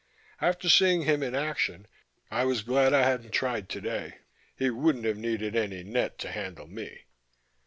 After seeing him in action I was glad I hadn't tried today. He wouldn't have needed any net to handle me.